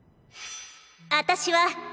あたしは。